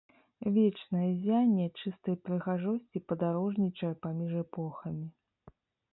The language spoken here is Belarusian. Вечнае ззянне чыстай прыгажосці падарожнічае паміж эпохамі.